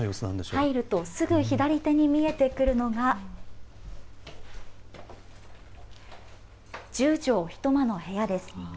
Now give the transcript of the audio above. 入るとすぐ左手に見えてくるのが、１０畳１間の部屋です。